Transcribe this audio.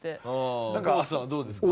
久保田さんはどうですか？